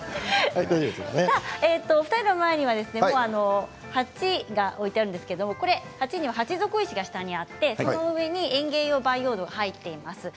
２人の前には鉢が置いてあるんですけど鉢には鉢底石が下にあってその上に園芸用培養土が入っています。